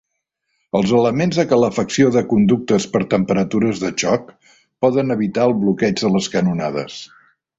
Els elements de calefacció de conductes per temperatures de xoc poden evitar el bloqueig de les canonades.